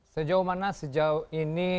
sejauh mana sejauh ini